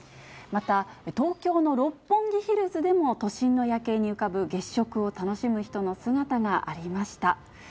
また、東京の六本木ヒルズでも、都心の夜景に浮かぶ月食を楽しむ人の姿がありました。